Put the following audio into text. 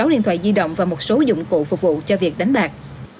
sáu điện thoại di động và một số dụng cụ phục vụ cho việc đánh bạc